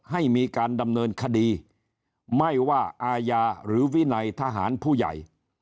ให้มีการดำเนินคดีไม่ว่าอาญาหรือวินัยทหารผู้ใหญ่